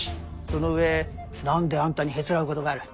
その上何であんたにへつらうことがある？